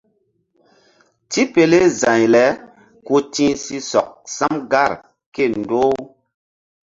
Tipele za̧y le ku ti̧h si sɔk sam gar ké-e ndoh-u.